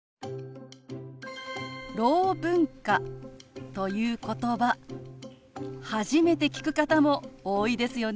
「ろう文化」ということば初めて聞く方も多いですよね。